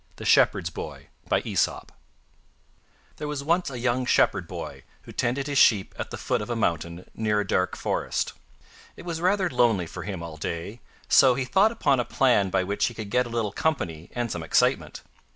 THE SHEPHERD'S BOY There was once a young Shepherd Boy who tended his sheep at the foot of a mountain near a dark forest. It was rather lonely for him all day, so he thought upon a plan by which he could get a little company and some excitement.